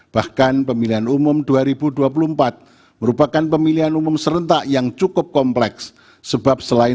bahkan pemilihan umum dua ribu dua puluh empat merupakan pemilihan umum serentak yang cukup kompleks sebab selain